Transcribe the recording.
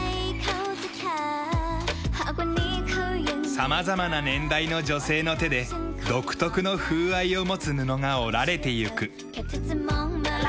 様々な年代の女性の手で独特の風合いを持つ布が織られてゆく。